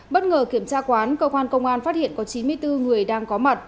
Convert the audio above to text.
bất ngờ kiểm tra quán cơ quan công an phát hiện có chín mươi bốn người đang có mặt